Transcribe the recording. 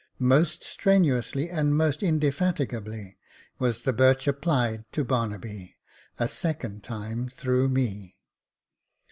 Most strenuously and most indefatigably was the birch applied to Barnaby, a second time, through me.